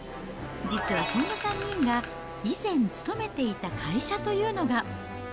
実はそんな３人が以前勤めていた会社というのが。